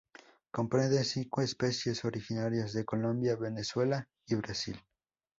Comprende cinco especies originarias de Colombia, Venezuela y Brasil.